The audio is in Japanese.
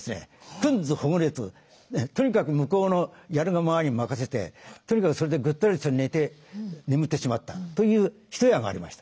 くんずほぐれつとにかく向こうのやるがままに任せてとにかくそれでぐったりと寝て眠ってしまったという一夜がありました。